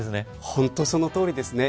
本当に、そのとおりですね。